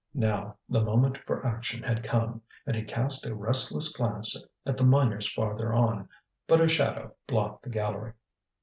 Now the moment for action had come, and he cast a restless glance at the miners farther on. But a shadow blocked the gallery.